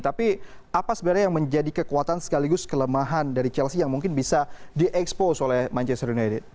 tapi apa sebenarnya yang menjadi kekuatan sekaligus kelemahan dari chelsea yang mungkin bisa di expose oleh manchester united